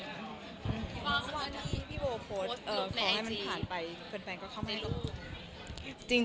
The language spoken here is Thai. วันนี้พี่ป่อโพสต์ขอให้มันผ่านไปเพื่อนก็เข้ามาให้พูด